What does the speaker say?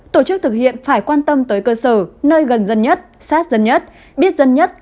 tổ chức thực hiện phải quan tâm tới cơ sở nơi gần dân nhất sát dân nhất biết dân nhất